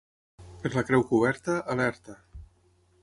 Per la Creu Coberta, alerta.